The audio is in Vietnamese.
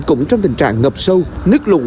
cũng trong tình trạng ngập sâu nước lũ